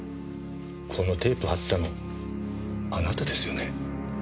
このテープ張ったのあなたですよね？